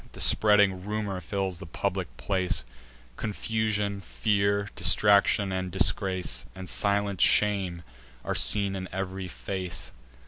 The spreading rumour fills the public place: Confusion, fear, distraction, and disgrace, And silent shame, are seen in ev'ry face.